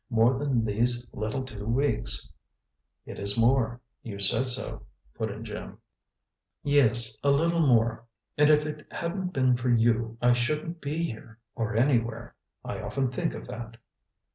More than these little two weeks." "It is more; you said so," put in Jim. "Yes; a little more. And if it hadn't been for you, I shouldn't be here, or anywhere. I often think of that."